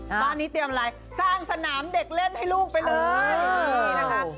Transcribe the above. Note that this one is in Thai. บ้านนี้เตรียมอะไรสร้างสนามเด็กเล่นให้ลูกไปเลยนี่นะคะ